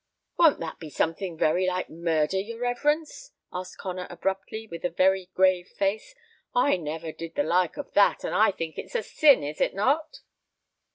"Won't that be something very like murder, your reverence?" asked Connor, abruptly, with a very grave face. "I never did the like of that, and I think it's a sin, is it not?"